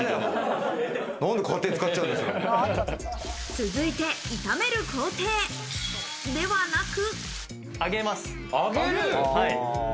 続いて炒める工程ではなく。